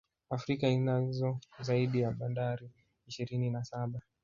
Afrika inazo zaidi ya Bandari ishirini na saba